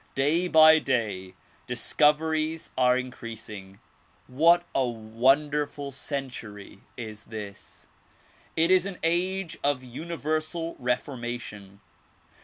Day by day discoveries are increasing. AVhat a wonderful century this is ! It is an age of universal re for mation.